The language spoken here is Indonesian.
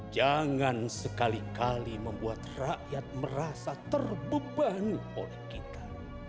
jangan sekali kali membuat rakyat merasa terbeban oleh kita